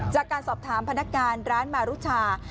จากการสอบถามพนักงานร้านมารุชา